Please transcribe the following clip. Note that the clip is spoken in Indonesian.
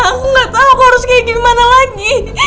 aku gak tau aku harus kayak gimana lagi